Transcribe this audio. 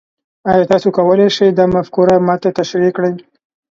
ایا تاسو کولی شئ دا مفکوره ما ته تشریح کړئ؟